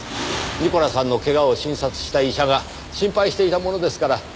ニコラさんの怪我を診察した医者が心配していたものですから。